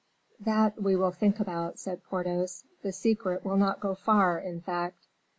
"That we will think about," said Porthos; "the secret will not go far, in fact."